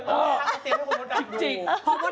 ขอเมื่อไหร่เอาเตอร์เตอร์มองดัมดิ